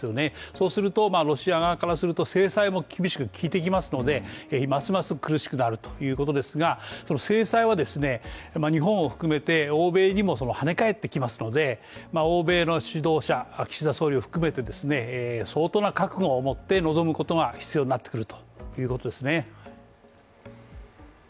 そうするとロシア側からすると制裁も厳しくきいてきますのでますます苦しくなるということですが、制裁は日本を含めて欧米にも跳ね返ってきますので欧米の指導者、岸田総理を含めて相当な覚悟を持って臨むことが必要になってくるということですね。